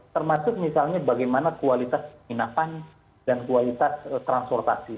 termasuk misalnya bagaimana kualitas penginapan dan kualitas transportasi